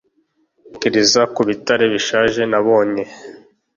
Ntekereza ku bitare bishaje nabonye